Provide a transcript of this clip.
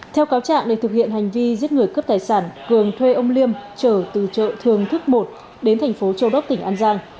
theo cáo trạng để thực hiện hành vi giết người cướp tài sản cường thuê ông liêm trở từ chợ thường thức một đến thành phố châu đốc tỉnh an giang